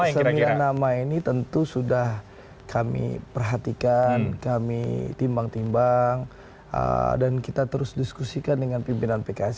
sembilan nama ini tentu sudah kami perhatikan kami timbang timbang dan kita terus diskusikan dengan pimpinan pks